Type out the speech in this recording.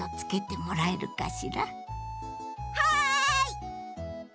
はい！